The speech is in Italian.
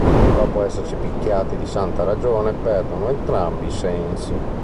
Dopo essersi picchiati di santa ragione, perdono entrambi i sensi.